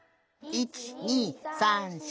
１２３４！